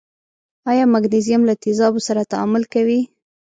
آیا مګنیزیم له تیزابو سره تعامل کوي؟